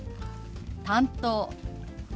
「担当」。